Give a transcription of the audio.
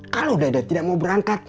kalau dana tidak mau berangkat